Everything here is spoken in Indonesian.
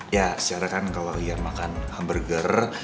ya secara kan kalau iya makan hamburger